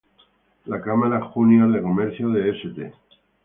La Cámara Júnior de Comercio de St.